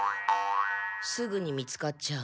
すぐに見つかっちゃう。